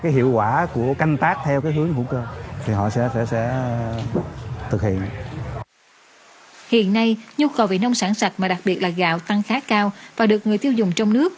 hiện nay nhu cầu về nông sản sạch mà đặc biệt là gạo tăng khá cao và được người tiêu dùng trong nước